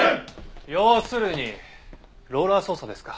要するにローラー捜査ですか。